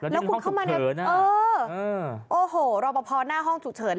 แล้วคุณเข้ามาในเออโอ้โหรอปภหน้าห้องฉุกเฉิน